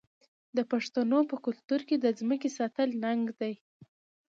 د پښتنو په کلتور کې د ځمکې ساتل ننګ دی.